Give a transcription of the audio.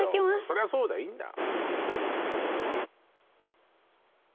そりゃそうだいいんだ